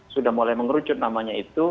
sudah mulai mengerucut namanya itu